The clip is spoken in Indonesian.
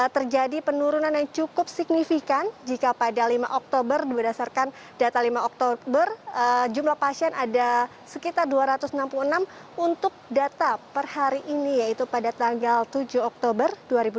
terjadi penurunan yang cukup signifikan jika pada lima oktober berdasarkan data lima oktober jumlah pasien ada sekitar dua ratus enam puluh enam untuk data per hari ini yaitu pada tanggal tujuh oktober dua ribu dua puluh